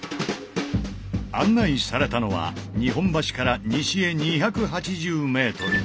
案内されたのは日本橋から西へ２８０ｍ。